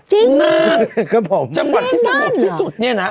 จริงนะจังหวัดที่สงบที่สุดเนี่ยนะ